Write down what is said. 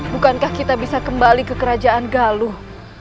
bukankah kita bisa kembali ke kerajaan galuh